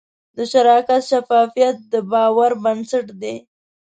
د شرکت شفافیت د باور بنسټ دی.